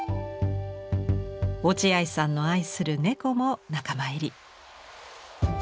落合さんの愛する猫も仲間入り。